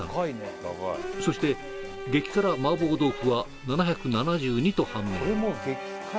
そして激辛麻婆豆腐は７７２と判明